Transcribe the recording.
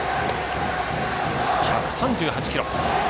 １３８キロ